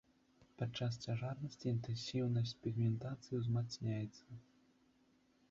Падчас цяжарнасці інтэнсіўнасць пігментацыі узмацняецца.